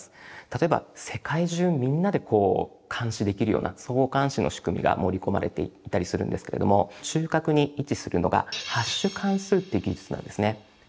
例えば世界中みんなで監視できるような相互監視の仕組みが盛り込まれていたりするんですけれども中核に位置するのがハッシュ関数っていう技術なんですね。